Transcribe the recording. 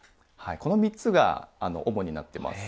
この３つが主になってます。